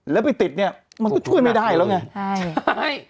แล้วไปติดเนี่ยมันก็ช่วยไม่ได้แล้วไงใช่